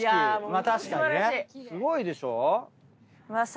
すごいでしょ。